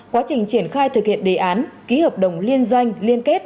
quá trình triển khai thực hiện đề án ký hợp đồng liên doanh liên kết